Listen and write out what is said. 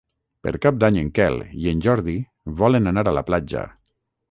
Per Cap d'Any en Quel i en Jordi volen anar a la platja.